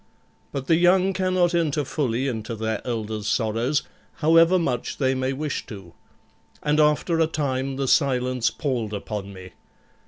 But the young cannot enter fully into their elders' sorrows, however much they may wish to, and after a time the silence palled upon me.